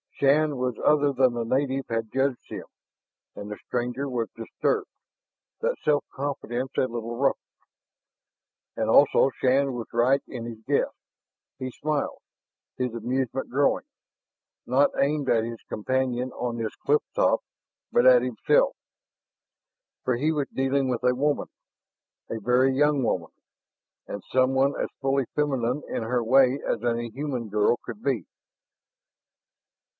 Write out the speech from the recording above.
Shann was other than the native had judged him, and the stranger was disturbed, that self confidence a little ruffled. And also Shann was right in his guess. He smiled, his amusement growing not aimed at his companion on this cliff top, but at himself. For he was dealing with a woman, a very young woman, and someone as fully feminine in her way as any human girl could be.